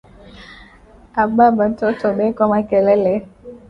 Aba ba toto beko makelele